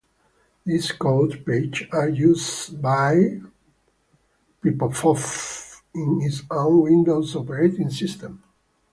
These code pages are used by Microsoft in its own Windows operating system.